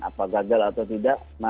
apakah gagal atau tidak